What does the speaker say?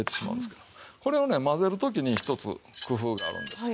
これをね混ぜる時にひとつ工夫があるんです。